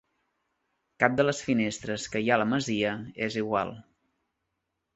Cap de les finestres que hi ha a la masia és igual.